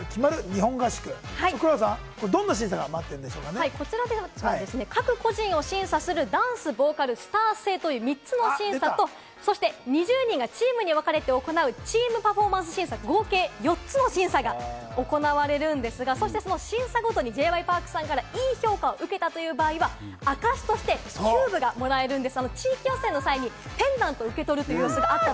韓国合宿はどんな審査が待っ各個人を審査するダンス、ボーカル、スター性という３つの審査とそして２０人がチームにわかれて行うチームパフォーマンス審査、合計４つの審査が行われるんですが、そして、その審査ごとにＪ．Ｙ．Ｐａｒｋさんからいい評価を受けたという場合は、証としてキューブがもらえるんです。